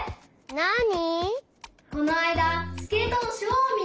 なに？